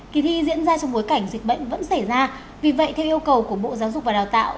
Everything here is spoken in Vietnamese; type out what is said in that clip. kỳ thi diễn ra trong bối cảnh dịch bệnh vẫn xảy ra vì vậy theo yêu cầu của bộ giáo dục và đào tạo